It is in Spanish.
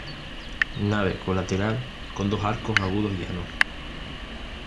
Nave colateral con dos arcos agudos llanos.